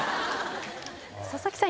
佐々木さん